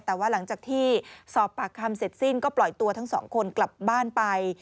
แต่ว่าหลังจากที่สอบปากคำเสร็จสิ้นก็ปล่อยตัวทั้งสองคนกลับบ้านไป